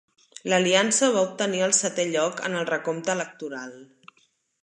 L'aliança va obtenir el setè lloc en el recompte electoral.